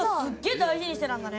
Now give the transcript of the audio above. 大事にしてたんだね